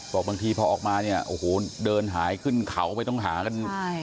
บางทีพอออกมาเนี่ยโอ้โหเดินหายขึ้นเขาไปต้องหากัน